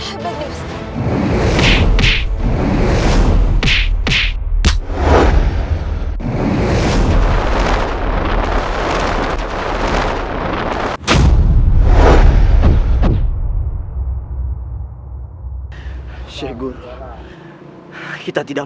kita tidak mungkin menangkan ayahanda prabu siribangi